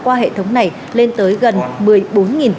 qua hệ thống này lên tới gần